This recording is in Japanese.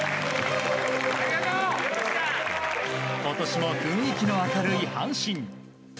今年も雰囲気の明るい阪神。